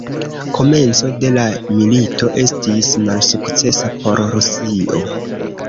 Komenco de la milito estis malsukcesa por Rusio.